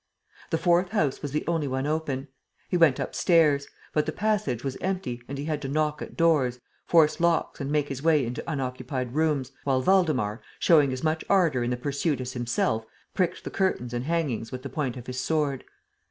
The fourth house was the only one open. He went upstairs. But the passage was empty and he had to knock at doors, force locks and make his way into unoccupied rooms, while Waldemar, showing as much ardor in the pursuit as himself, pricked the curtains and hangings with the point of his sword.